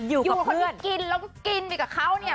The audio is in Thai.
อยู่กับคนที่กินแล้วก็กินไปกับเขาเนี่ย